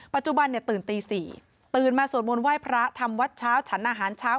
ปัจจุบันเนี่ยตื่นตี๔ตื่นมาสวดมนต์ไหว้พระทำวัดเช้าฉันอาหารเช้า